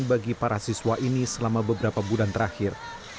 bagi para siswa ini selama beberapa bulan terakhir